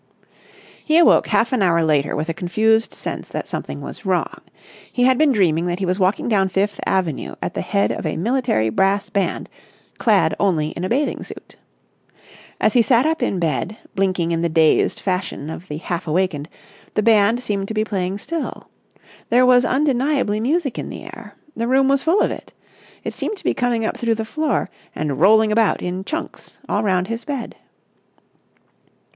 He awoke half an hour later with a confused sense that something was wrong. He had been dreaming that he was walking down Fifth Avenue at the head of a military brass band, clad only in a bathing suit. As he sat up in bed, blinking in the dazed fashion of the half awakened, the band seemed to be playing still. There was undeniably music in the air. The room was full of it. It seemed to be coming up through the floor and rolling about in chunks all round his bed.